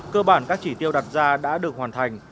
cơ bản các chỉ tiêu đặt ra đã được hoàn thành